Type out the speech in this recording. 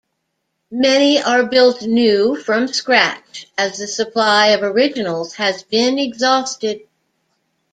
Many are built new from scratch, as the supply of originals has been exhausted.